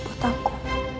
percaya sama aku